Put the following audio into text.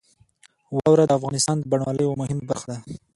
واوره د افغانستان د بڼوالۍ یوه مهمه برخه ده.